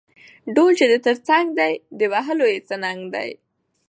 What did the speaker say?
ـ ډول چې دې تر څنګ دى د وهلو يې څه ننګ دى.